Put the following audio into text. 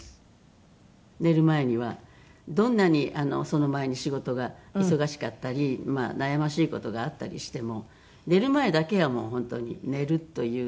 寝る前にはどんなにその前に仕事が忙しかったり悩ましい事があったりしても寝る前だけはもう本当に寝るというための。